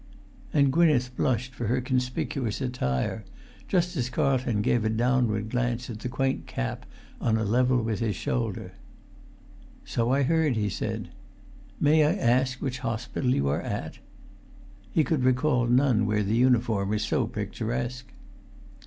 And Gwynneth blushed for her conspicuous attire, just as Carlton gave a downward glance at the quaint cap on a level with his shoulder. "So I heard," he said. "May I ask which hospital you are at?" He could recall none where the uniform was so picturesque.